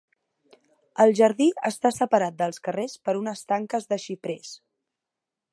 El jardí està separat dels carrers per unes tanques de xiprers.